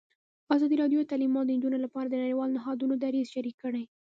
ازادي راډیو د تعلیمات د نجونو لپاره د نړیوالو نهادونو دریځ شریک کړی.